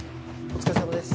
お疲れさまです